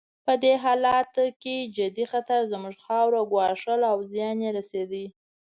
په دې حالاتو کې جدي خطر زموږ خاوره ګواښله او زیان یې رسېد.